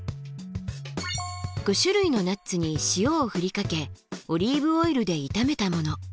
５種類のナッツに塩をふりかけオリーブオイルで炒めたもの。